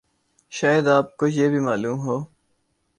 شاید آپ کو یہ بھی معلوم ہو